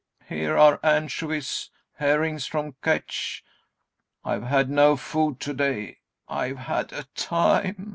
Here are anchovies, herrings from Kertch.... I've had no food to day.... I have had a time!